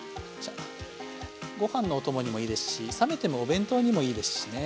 ご飯のお供にもいいですし冷めてもお弁当にもいいですしね。